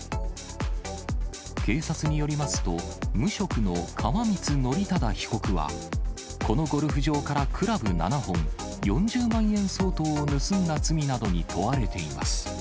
警察によりますと、無職の川満憲忠被告は、このゴルフ場からクラブ７本、４０万円相当を盗んだ罪などに問われています。